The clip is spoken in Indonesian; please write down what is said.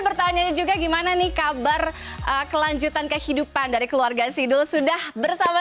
bertanya juga gimana nih kabar kelanjutan kehidupan dari keluarga sidul sudah bersama